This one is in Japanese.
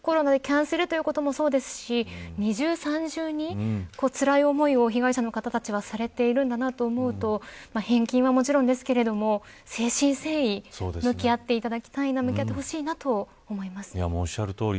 だから本当にコロナでキャンセルということもそうですし二重、三重につらい思いを被害者の方たちはされているんだなと思うと返金はもちろんですが誠心誠意向き合ってほしいなと思います。